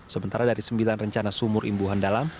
sementara dari sembilan rencana sumur imbuhan dalam